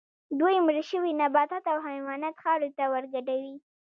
دوی مړه شوي نباتات او حیوانات خاورې ته ورګډوي